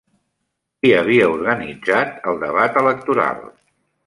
Qui havia organitzat el debat electoral?